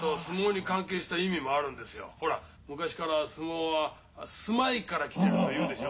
ほら昔から相撲は「素舞い」から来てるというでしょ。